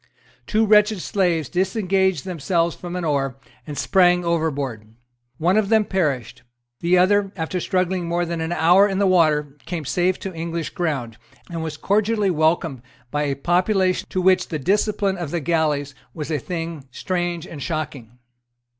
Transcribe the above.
Two wretched slaves disengaged themselves from an oar, and sprang overboard. One of them perished. The other, after struggling more than an hour in the water, came safe to English ground, and was cordially welcomed by a population to which the discipline of the galleys was a thing strange and shocking.